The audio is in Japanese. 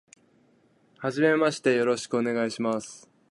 初めましてよろしくお願いします。